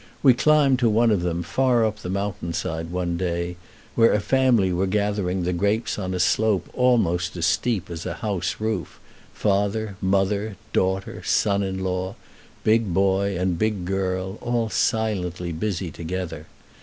We climbed to one of them far up the mountain side one day, where a family were gathering the grapes on a slope almost as steep as a house roof, father, mother, daughter, son in law, big boy, and big girl all silently busy together.